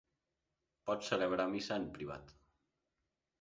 Pot celebrar missa en privat.